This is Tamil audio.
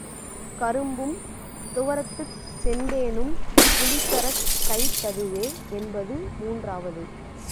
கரும்பும் துவர்த்துச் செந்தேனும் புளித்தறக் கைத் ததுவே என்பது மூன்றாவது.